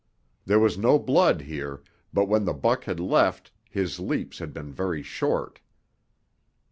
There was no blood here, but when the buck had left, his leaps had been very short.